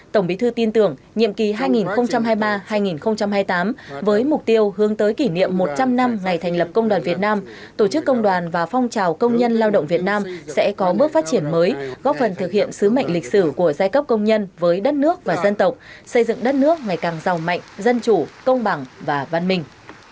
tổng bí thư tin tưởng nhiệm kỳ hai nghìn hai mươi ba hai nghìn hai mươi tám với mục tiêu hướng tới kỷ niệm một trăm linh năm ngày thành lập công đoàn việt nam tổ chức công đoàn và phong trào công nhân lao động việt nam sẽ có bước phát triển mới góp phần thực hiện sứ mệnh lịch sử của giai cấp công nhân với đất nước và dân tộc xây dựng đất nước ngày càng giàu mạnh dân chủ công bằng và văn minh